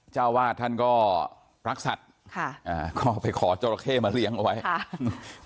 เจ้าวาดท่านก็รักสัตว์ค่ะอ่าก็ไปขอจราเข้มาเลี้ยงเอาไว้ค่ะ